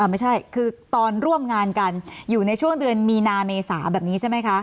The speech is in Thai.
ไม่ใช่คือตอนร่วมงานกันอยู่ในช่วงเดือนมีนาเมษาแบบนี้ใช่ไหมคะ